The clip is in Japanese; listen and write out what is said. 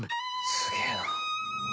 すげぇな。